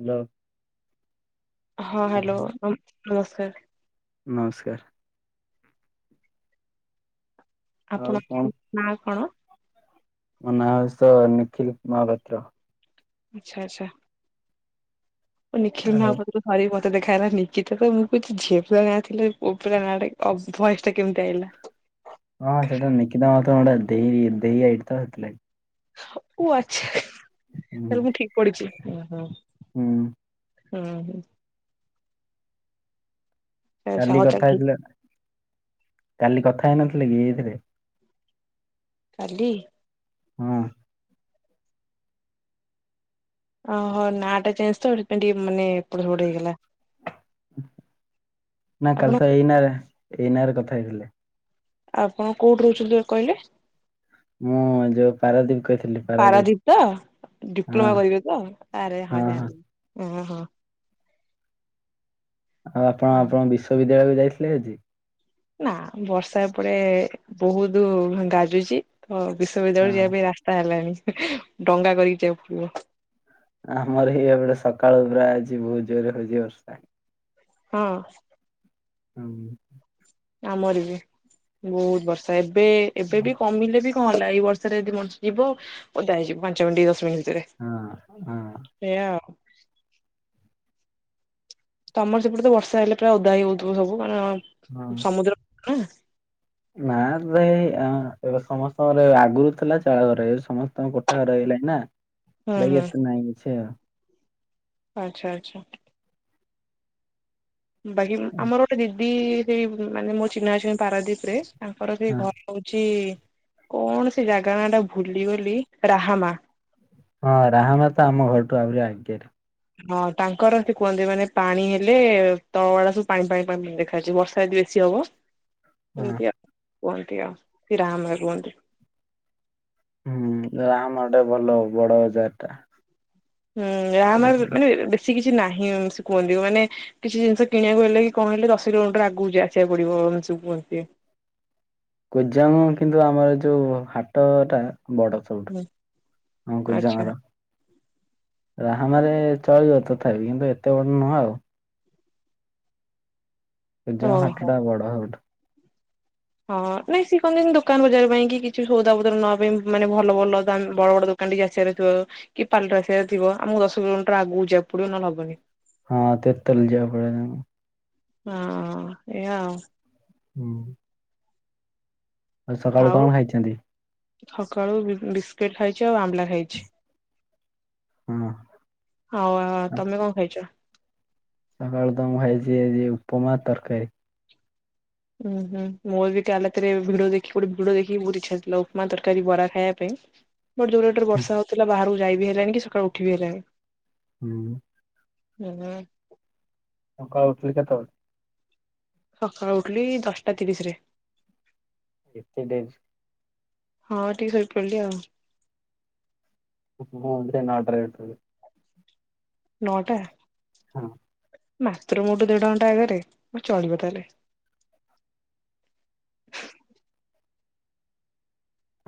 Hello. ହଁ, hello, ନମ୍ -ନମସ୍କାର। ନମସ୍କାର। ଆଉ କଣ ଆପଣଙ୍କ ନାଁ କଣ? ମୋ ନାଁ ହଉଚି ତ, ନିଖିଲ୍ ମହାପାତ୍ର। ଆଚ୍ଛା, ଆଚ୍ଛା। ଓ ନିଖିଲ୍ ଆଉ ମହାପାତ୍ର। ସରି ମତେ ଦେଖା ହେଲା ନିକିତକ, ମୁଁ କହୁଛି ଝିଅ ପିଲା ନାଁ ଥିଲା, ପୁଅପିଲା ନାଁ ଟା ଭଏସ୍ ଟା କେମିତି ଆଇଲା? ହଁ, ସେଟା ନିକିତା ମାତ, ଗୋଟେ ଦେଇ, ଦେଇ ଆଇଡି ତ ହେଥିଲାଗି। ହଉ ଆଚ୍ଛା, ହୁଁ ତାଲେ ମୁଁ ଠିକ୍ ପଡିିଛି। ହୁଁ। ହୁଁ, ହୁଁ। ଆଚ୍ଛା କାଲି ହଉ ତାହେଲେ କଥା ଠିକ ହେଇଥିଲ, କାଲି କଥା ହେଇନଥିଲେ କି ଏଇଥିରେ। କାଲି? ହଁ। ଓହୋ, ନା ଟା ଚେଞ୍ଜ ତ ସେଇଥିପାଇଁ ଟିକେ ମାନେ ଏପଟ ସେପଟ ହେଇଗଲା। ନା ଆପଣ କାଲି ତ ଏଇ ନାଁ ଏଇ ନାଁରେ କଥା ହେଇଥିଲେ। ଆପଣ କୋଉଠି ରହୁଛନ୍ତି ଆ, କହିଲେ? ମୁଁ ଯୋଉ ପାରାଦୀପ କହିଥିଲି ପାରାଦୀପ। ହଁ ଡିପ୍ଲୋମା କରିବେ ତ ଆରେ ହଁ ଜାଣି ଅଁ, ହଁ, ହଁ। ଆଉ ଆପଣ ଆପଣ ବିଶ୍ୱବିଦ୍ୟାଳୟକୁ ଯାଇଥିଲେ ଆଜି? ନା ବର୍ଷା ଏପଟେ ବହୁତୁ ହଁ ଗାଜୁଚି। ହଁ ହଁ ବିଶ୍ୱବିଦ୍ୟାଳୟରେ ଯିବା ପାଇଁ ରାସ୍ତା ହେଲାନି, ଡଙ୍ଗା କରିକି ଯିବାକୁ ପଡିବ। ଆମର ଏହି ଏପଟେ ସକାଳୁ ପୁରା ଆଜି ବହୁ ଜୋରରେ ହଉଚି ବର୍ଷା। ହଁ। [unintelligible] ଆମର ବି ବହୁତ ବର୍ଷା, ଏବେ ଏବେ ବି କମିଲେ ବି କଣ ହେଲା, ଏଇ ବର୍ଷ ଷାରେ ଯଦି ମଣିଷ ଯିବ ଓଦା ହେଇଯିବ ପାଞ୍ଚ ମିନିଟ, ଦଶ ମିନିଟ ଭିତରେ। ହଁ, ହଁ। ସେଇଆ ଆଉ। ତୋମର ସେପଟେ ତ ବର୍ଷା ହେଲେ ପ୍ରାୟ ଓଦା ହେଇ ହଉଥିବ ସବୁ? ହଁ। ମାନେ ସମୁଦ୍ର ନା। ନା ସେଇ ଆଁ, ଏବେ ସମସ୍ତଙ୍କର ଆଗରୁ ଥିଲା ଚାଳ ଘର ଏବେ ସମସ୍ତଙ୍କ କୋଠା ଘର ହେଇଲାଣି ନା। ହୁଁ ଲାଗି ହୁଁ ଏତେ ନାଇଁ ସେ। ଆଚ୍ଛା, ଆଚ୍ଛା। ବାକି ଉଁ, ଆମର ଗୋଟେ ଦିଦି ସେଇ ମାନେ ମୋ ଚିହ୍ନା ଅଛନ୍ତି ପାରାଦୀପ ରେ, ତାଙ୍କର ସେଇ ହଁ ଘର ହଉଚି କଣ ସେ ଜାଗା ନାଁ ଟା ଭୁଲିଗଲି ରାହାମା। ହଁ ରାହାମା ତ ଆମ ଘରଠୁ ଆହୁରି ଆଗେରେ। ହଁ ତାଙ୍କର ସେ କୁହନ୍ତି ମାନେ ପାଣି ହେଲେ ତଳ ଗୁଡା ସବୁ ପାଣି ପାଣି ପାଣି ଦେଖା ଯାଉଚି। ବର୍ଷା ଦି [unintelligible] [inaudible] ଏମତିଆ କୁହନ୍ତି ଆଉ ସେ ରାହାମା କୁହନ୍ତି। ହୁଁ, ରେରାହାମା ଟା ଭଲ ବଡ ବଜାର ଟା। ହୁଁ, ରାହାମା ର- ମାନେ ବେଶୀ କିଛି ନାହିଁ ସେ କୁହନ୍ତି, ମାନେ କିଛି ଜିନିଷ କିଣିବାକୁ ହେଲେ କି କଣ ହେଲେ ଦଶ କିଲୋମିଟର ଆଗକୁ ଯେ ଆସିବାକୁ ପଡିବ ଏମତି ସବୁ କୁହନ୍ତି। କୁଜଙ୍ଗ କିନ୍ତୁ ଆମର ଯୋଉ ହାଟ ଟା ବଡ। ସବୁଠୁ ହୁଁ ଆମ କୁଜଙ୍ଗ ଆଚ୍ଛା ର। ରାହାମା ରେ ଚଳିବ ତଥାପି କିନ୍ତୁ ଏତେ ବଡ ନୁହଁ ଆଉ। କୁଜଙ୍ଗ ଓହୋ। ହାଟଟା ବଡ ସବୁଠୁ। ହଁ ନାଇଁ ସିଏ କହନ୍ତି ଦୋକାନ ବଜାର ପାଇଁ କି କିଛି ସଉଦା ପତରର ନବା ପାଇଁ, ମାନେ ଭଲ ଭଲ ଦାମ ବଡ ବଡ ଦୋକ କାନ ଟିକେ ଆସିବାର ଥିବ କି ପାର୍ଲର ଆସିବାର ଥିବ ଆମକୁ ଦଶ କିଲୋମିଟର ଆଗକୁ ଯିବାକୁ ପଡିବ ନହେଲେ ହବନି। ହଁ ତିର୍ତ୍ତୋଲ ଯିବାକୁ ପଡିବ ତାଙ୍କୁ। ହଁ ଏଇଆ ଆଉ। ହଁ। ଆଜି ସକାଳୁ ଆଉ କଣ ଖାଇଛନ୍ତି? ସକାଳୁ ବି-ଉଁ, ବିସ୍କିଟ୍ ଖାଇଛି ଆଉ ଆମ୍ବଲା ଖାଇଛି। ହଁ। ହଁ ଆ, ଆ, ତୋମେ କଣ ଖାଇଛ? ସକାଳୁ ତ ମୁଁ ଖାଇଛି ଆଜି ଉପମା ତରକାରୀ। ହୁଁ ହୁଁ। ମୋର ବି କାଲି ରାତିରେ ଭିଡିଓ ଦେଖିକି ଗୋଟେ ଭିଡିଓ ଦେଖିକି ବହୁତ ଇଚ୍ଛା ଥିଲା ଉପମା ତରକାରୀ ବରା ଖାଇବା ପାଇଁ [inaudible] ବଟ୍ ଯୋଉ ରେଟେରେ ହୁଁ ବର୍ଷା ହଉଥିଲା ବାହାରକୁ ଯାଇବି ହେଲାନି କି ସକାଳୁ ଉଠି ବିି ହେଲାନି। ହୁଁ। ଉ ହୁଁ। ସକାଳୁ ଉଠିଲି କେତବଳେ? ସକାଳୁ ଉଠିଲି ଦଶଟା ତିରିସି ରେ। ଏତେ ଡେରି? ହଁ ଟିକେ ଶୋଇପଡ଼ିଲି ଆଉ। ମୁଁ ବି ନଅଟାରେ ଉଠିଲି। ନଅଟା। ହଁ। ମାତ୍ର ମୋଠୁ ଦେଢ ଘଣ୍ଟା ଆଗରେ ଚଳିବ ତାହେଲେ।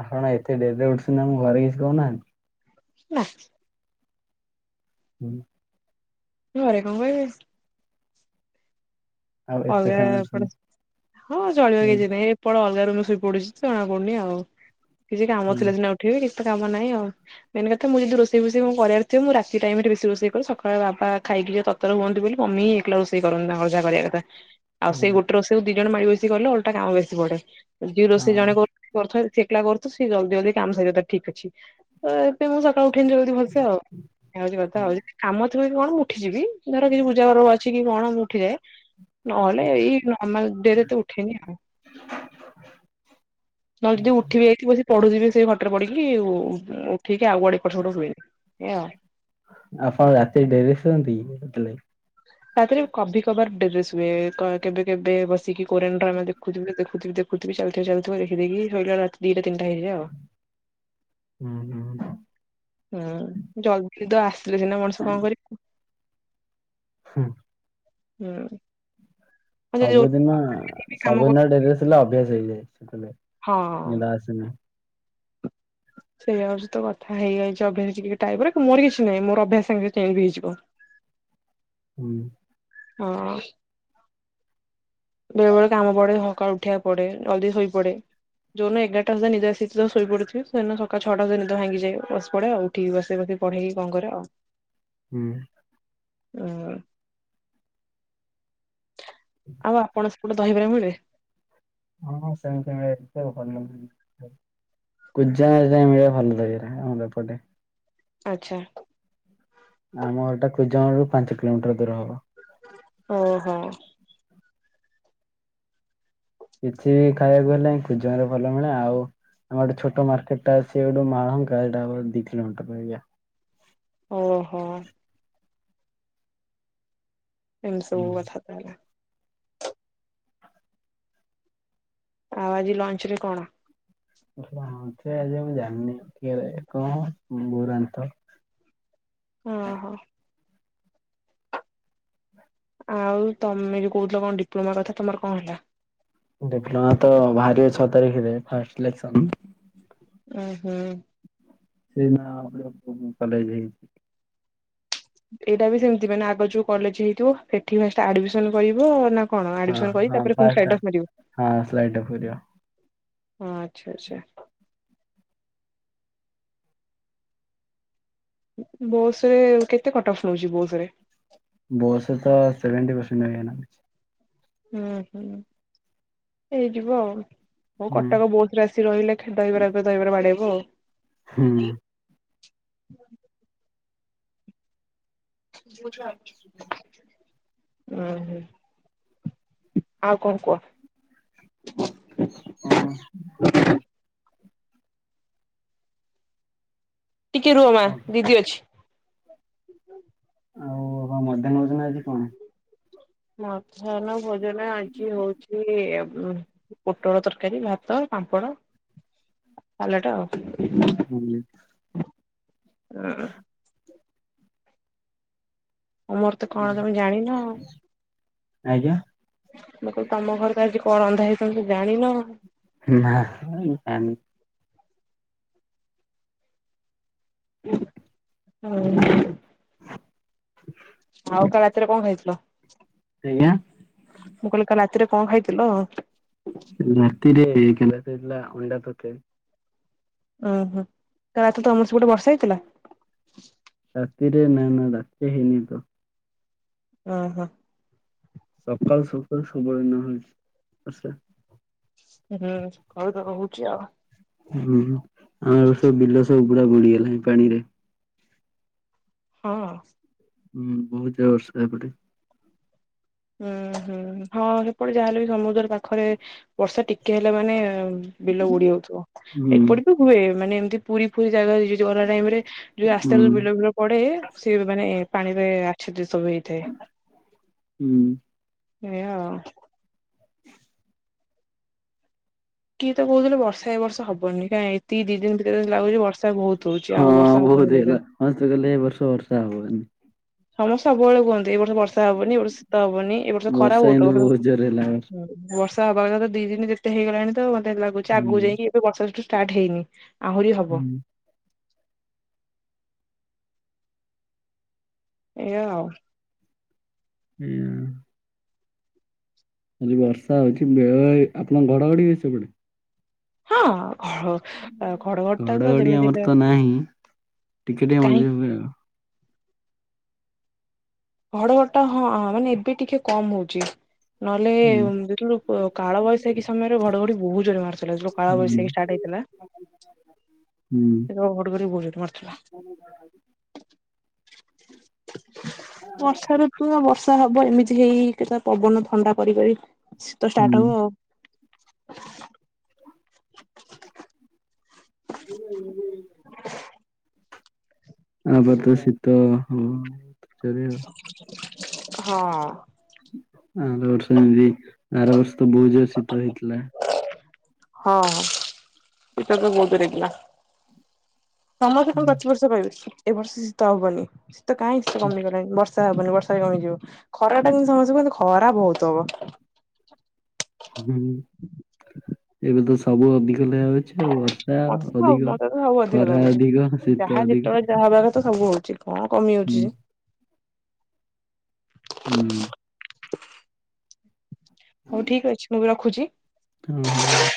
ଆପଣ ଏତେ ଡେରିରେ ଉଠୁଛନ୍ତି ନା ଘରେ କିଛି କହୁନାହାନ୍ତି? ନା। ହୁଁ। ଘରେ କଣ କହିବେ? ଆଉ ଏତେ ଅଲଗା ସମୟ [unintelligible] ହଁ ଚଳିବ ଶୋଇକି କିଛିିନାଇ। ସେପଡ ଅଲଗା ରୁମେରେ ଶୋଇପଡୁଛି ଜଣା ପଡୁନି ଆଉ କିଛି କାମ ହୁଁ ଥିଲା ସିନା ଉଠିବି କିଛି ତ କାମ ନାହିଁ ଆଉ। ମେନ୍ କଥା ମୁଁ ଯଦି ରୋଷେଇ ବୋଷେଇ କଣ କରିବାରଥିବ ମୁଁ ରାତି ଟାଇମ ବେଶି ରୋଷେଇ କରେ। ସକାଳେ ବାବା ଖାଇକି ଯିବେ ତର ତରତର ହୁଅନ୍ତି ବୋଲି ମମି ଏକଲା ରୋଷେଇ କରନ୍ତି ତାଙ୍କର ଯାହା କରିବା କଥା। ଆଉ ହୁଁ ସେଇ ଗୋଟେ ରୋଷେଇ ଦି ଜଣ ମାଳି ବେଶି କଲେ ଓଲଟା କାମ ବେଶୀ ବଢେ। ଯିଏ ରୋଷ ହଁ ଜଣେ ସିଏ କରୁଥିବ ସେ ଏକଲା କରୁଥିବ ସିଏ ଜଲଦି ଜଲଦି କାମ ସାରିବ ତାର ଠିକ୍ ଅଛି। ତ ଏଇଥିପାଇଁ ମୁଁ ସକାଳୁ ଉଠେଇନି ଯଲଦି ଭଲସେ ଆଉ ଏୟା ହଉଛି କଥା ଆଉ ଯଦି କାମ ଥିବ କି କଣ ମୁଁ ଉଠିଯିବି। ଧର କିଛି ପୂଜା ପର୍ବ ଅଛି କି କଣ ମୁଁ ଉଠିଯାଏ। ନହେଲେ ଏଇ ନର୍ମାଲ ଡେରେ ତ ଉଠେନି ଆଉ। [inaudible] ନହଲେ ଯଦି ଉଠିବି ଯାଇଥିବି ବସି ପଢୁଥିବି ସେଇ ଖଟରେ ପଡିକି ଉ ଉଠିକି ଆଉ କୁଆଡେ ଏପଡ ସେପଡ ହୁଏନି। ଏୟା ଆଉ। ଆପଣ ରାତିରେ ଡେରି ଶୁଅନ୍ତି କି ସେଥିଲାଗି? ତାରେ କଭିି କଭାର ଡେରିରେ ଶୁଏ। କ ଏ କେବେ କେବେ ବସିକି କୋରିଆନ ଡ୍ରାମା ଦେଖୁଥିବି ଦେଖୁଥିବି ଦେ ଦେଖୁଥିବି ଚାଲିଥିବ ଚାଲିଥିବ ଦେଖି ଦେଖି ଶୋଇଲା ବେଳକୁ ରାତି ଦିଟା ତିନିଟା ହେଇଯାଏ ଆଉ। ହୁଁ। ହୁଁ। ହୁଁ ଜଲଦି ନିଦ ଆସିଲେ ସିନା ମଣିଷ କଣ କରି ହୁଁ। ହୁଁ। ଯଦି ଯୋଉଠି ସବୁଦିନ- ବି କାମ କରୁ ସବୁଦିନ ଡେରିରେ ଶୁଇଲେ ଅଭ୍ୟାସ ହେଇଯାଏ। [unintelligible] ହଁ। ନିଦ ଆସେ ନାହିଁ ସେଇଆ ହଉଚି ତ କଥା ହେଇଯାଇଚି ଅଭ୍ୟାସ ଟିକେ ଟାଇପ୍ ର କିନ୍ତୁ ମୋର କିଛି ନାହିଁ ମୋର ଅଭ୍ୟାସ ସାଙ୍ଗେ ସାଙ୍ଗେ ଚେଞ୍ଜ୍ ହେଇଯିବ। ହୁଁ। ହଁ। ବେଳେ ବେଳେ କାମ ପଡେ ସକାଳୁ ଉଠିବାକୁ ପଡେ ଜଲ୍ଦି ଶୋଇ ପଡେ। ଯଉଦିନ ଏଗାରଟା ସୁଧା ନିଦ ଆସିଚିତ ଶୋଇ ପଡଥିବି ସେଇ ଦିନ ସକାଳ ଛଅଟା ସୁଧା ନିଦ ଭାଙ୍ଗି ଯାଏ ବସି ପଡେ ଆଉ। ଉଠିକି ବସେ ବୋଧେ ପଢେଇକି କଣ କରେ ଆଉ। ହୁଁ। ଅଁ। ଆଉ ଆପଣ ସେପଟେ ଦହିବରା ମିଳେ? ହଁ ହଁ ସେମିତି ମିଳେ ଏତେ ଭଲ [unintelligible] ଆଚ୍ଛା। ଆମ ଏଟା କୁଜଙ୍ଗ ରୁ ପାଞ୍ଚ କିଲୋମିଟର ଦୂର ହବ। ଓହୋ। କିଛି ବି ଖାଇବାକୁ ହେଲେ କୁଜଙ୍ଗରେ ଭଲ ମିଳେ ଆଉ ଆମ ଡେ ଗୋଟେ ଛୋଟ ମାର୍କେଟ ଅଛି ଗୋଟେ ମାଳହଙ୍କା ଟା ହବ ଦି କିଲୋମିଟର ଭଳିଆ। ଓହୋ। ଏମତି ସବୁ କଥା ତାହାଲେ। ଆଉ ଆଜି ଲଞ୍ଚ୍ ରେ କଣ? [unintelligible] ସେ ଆଜି ମୁଁ ଜାଣିନି କିଏ କଣ ବୋଉ ରନ୍ଥିବ। ଓହୋ। ଆଉ ତମେ ଯଉ କହୁଥିଲ କଣ ଡିପ୍ଲୋମା କଥା ତମର କଣ୍ ହେଲା? ଡିପ୍ଲୋମା ତ‌ ବାହାରିବ ଛଅ ତାରିଖିରେ ଫାଷ୍ଟ୍ ସିଲେକ୍ସନ୍। ଉ ହୁଁ। ସେଇ ନାଁ [unintelligible] କଲେଜ୍ ଯାଇଚି। ଏଇଟା ବି ସେମିତି ମାନେ ଆଗ ଯଉ କଲେଜ ହେଇଥିବ ସେଠି ଫାଷ୍ଟ୍ ଆଡମିସନ କରିବ ନା କଣ ହଁ ଆଡମିସନ କରି ହଁ ତାପରେ ପୁଣି ଫାଷ୍ଟ ସାଇଡ୍ ଅପ୍ ମାରିବ? ହଁ ସ୍ଲାଇଡ ଟା ପୁରିବ ହଁ ଆଚ୍ଛା ଆଚ୍ଛା। ବୋସ୍ ରେ କେତେ କଟ୍ ଅଫ୍ ନଉଚି ବୋସ୍ ରେ? ବସ୍ ରେ ତ ସେଭେଣ୍ଟି ପରସେଣ୍ଟ୍ ହେଇଆ ନାଗୁଚି। ହୁଁ ହୁଁ ହେଇଯିବ ଆଉ ହଉ ହୁଁ କଟକ ବହୁତ୍ ଆସି ରହିଲେ ଦହିବାର ଉପରେ ଦହିବାର ବାଡ଼େଇବୁ ଆଉ। ହୁଁ। ବୁଝ। ଉ ହୁଁ ଆଉ କଣ୍ କୁହ? କଣ୍? ଟିକେ ରୁହ ମା ଦିଦି ଅଛି। ଆଉ ହ ମଧ୍ୟାହ୍ନ ଭୋଜନ ଆଜି କଣ? ମଧ୍ୟାହ୍ନ ଭୋଜନ ଆଜି ହଉଚି ପୋଟଳ ତରକାରୀ ଭାତ ପାମ୍ପଡ଼ ସାଲାଟ ଆଉ। ହୁଁ। ହଁ। ଉଁ ମୋର ତ କଣ ତମେ ଜାଣିନ ଆଉ। ଆଜ୍ଞା। ମୁଁ କହିଲୀ ତମ ଘରେ ତ ଆଜି କଣ ରନ୍ଧା ହେଇଚି ତମେ ତ ଜାଣିନ। ନା ଜାଣିନି। ଓ ହ। ଆଉ କାଲି ରାତିରେ କଣ୍ ଖାଇଥିଲ? ସେଇଆଁ। ମୁଁ କହିଲି କାଲି ରାତିରେ କଣ ଖାଇଥିଲ। ରାର୍ତିରେ କାଲି ରାତି ରେ ହେଇଥିଲା ଅଣ୍ଡାତରକାରି। ଓହୋ ରାତି ତମର ସେ ପଟେ ବର୍ଷା ହେଇଥିଲା। ରାତିରେ ନା ନା ରାତି ହେଇନି ତ ଓହୋ। ସକାଳୁ ସକାଳୁ ସବୁବେଳେ ନ ହେଉଛି ଆଛ ହୁଁ ଘରୁ ତ ରହୁଛି ଆଉ। ହୁଁ ଆମର ସବୁ ବିଲ ସବୁ ପୁରା ବୁଡିଗଲାଣି ପାଣିରେ। ହଁ। ହୁଁ ବହୁତ ଜୋର୍ ବର୍ଷା ଏପଟେ। ଉୁଁ ହୁଁ ହଁ ସେପଟେ ଯାହାହେଲେ ବି ସମୁଦ୍ର ପାଖରେ ବର୍ଷା ଟିକେ ହେଲେ ମାନେ ବିଲ ବୁଡି ଯାଉଥିବ, ହୁଁ ଏପଟେ ବି ହୁଏ ମାନେ ଏମିତି ପୁରୀ ପୁରୀ ଜାଗା ଜୁଆର ଟାଇମ ରେ ଯୋଉ ହୁଁ ରାସ୍ତ ବିଲ ବିଲ ପଡେ ସିଏ ମାନେ ପାଣିରେ ଆଛଦିତ ସବୁ ହେଇଥାଏ। ହୁଁ। ଏଇଆଉ। କିଏ ତ କହୁଥିଲେ ବର୍ଷା ଏ ବର୍ଷ ହବନି କାଇଁ ଏତିକି ଦି ଦିନ ଭି ରେ ଲାଗୁଛି ବର୍ଷା ବହୁତ ହଉଛି ଆଉ ବର୍ଷା ହବନି କୁଆଡେ। ହଁ ତ ଗହଲେ ଏ ବର୍ଷ ବର୍ଷା ହବନି। ସମସ୍ତେ ସବୁବେଳେ କୁହନ୍ତି ଏ ବର୍ଷ ବର୍ଷା ହବନି ଏ ବର୍ଷ ଶୀତ ହବନି ଏ ବର୍ଷ ଖରା ବର୍ଷା ବହୁତ ହବ। କିନ୍ତୁ, ଜୋର ହେଲା ଏ ବର୍ଷ। ହୁଁ। ବର୍ଷା ହବା କଥା ତ ଦି ଦିନ ଯେତେ ହେଇଗଲାଣି ତ ମତେ ଲାଗୁଛି ଆଗକୁ ହୁଁ ଯାଇକି ଏବେ ବର୍ଷା ସେଠୁ ଷ୍ଟାର୍ଟ ହେଇନି। ଆହୁରି ହବ। ହୁଁ ଏଇଆଉ। ହୁଁ। ଆଜି ବର୍ଷା ହଉଛି ବେଳେ ଆପଣଙ୍କ ଘଡଘଡିି ହୁଏ ସେପଟେ? ହଁ ଘ ଘଡଘଡି ଟା ତ ଯେମିତି ଆମର ତ ନାହିଁ ଟିକେ ଟିକେ ମଝିରେ କାହିଁକି ହୁଏ ଆଉ। ଘଡଘଡି ଟା ହଁ ମାନେ ଏବେ ଟିକେ କମ ହଉଛି। ନହେଲେ ହୁଁ ଯେତେଳୁ କାଳବୈଶାଖୀ ସମୟରେ ଘଡଘଡି ବୋହୁତ ଜୋରରେ ମାରିଥିଲା ଯୋଉ କାଳ ବୈଶାଖୀ ଷ୍ଟାର୍ଟ ହେଇଥିଲା। ହ ସେତେବେଳେ ଘଡଘଡି ବହୁତ ଜୋରରେ ମାରୁଥିଲା। ହଁ ମୁଁ ଗାଁ ଆଇଲି। ବର୍ଷା ଋତୁର ବର୍ଷା ହବ ଏମିତି ହେଇ କେ ପବନ ଥଣ୍ଡା କରିକରି ଶୀତ ଷ୍ଟାର୍ଟ ହୁଁ। ହବ। ହଁ ଆପରେ ତ ଶୀତ ହଁ। ହଁ। ଆର ବର୍ଷ ଏମତି ଆର ବର୍ଷ ତ ବହୁତ୍ ଜୋର୍ ଶୀତ ହେଇଥିଲା। ହଁ ଶୀତ ତ ବହୁତ ଜୋର୍ ହେଇଥିଲା। ତମ ତେ କଣ ପ୍ରଚ ବର୍ଷ କହିବି? ଏବ ବର୍ଷ ଶୀତ ହବନି ଶୀତ କାହିଁତ କମିଗଲାଣିି ବର୍ଷ ବର୍ଷା ହବନି ବର୍ଷା ବି କମିଯିବ ଖରା ଟା କିନ୍ତୁ ସମସ୍ତେ କୁହନ୍ତି ଖରା ବହୁତ ହବ। ହୁଁ ଏବେ ତ ସବୁ ଅଧିକ ଲେଆ ହଉଛି ଆଉ ବର୍ଷା ମତେ ତ ଅଧିକ ମତେ ତ ସବୁ ଅଧିକ ଖରା ଅଧିକ, ଶୀତ ଅଧିକ। ତ ସବୁ ହଉଛି କଣ କମି ଯାଉଛି ହୁଁ ଯେ ହୁଁ। ହଉ ଠିକ ଅଛି ମୁଁ ଏବେ ରଖୁଛି? ହଁହଁ ର